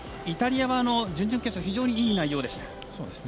イタリアは準々決勝いい内容でした。